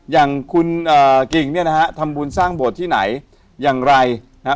อย่างคุณกิ่งเนี่ยนะฮะทำบุญสร้างโบสถ์ที่ไหนอย่างไรนะฮะ